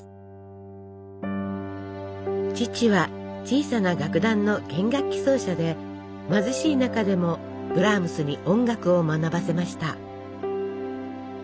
父は小さな楽団の弦楽器奏者で貧しい中でもブラームスに音楽を学ばせました。